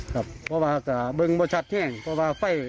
ครับเบื้องบ่ชัดใช่ไหม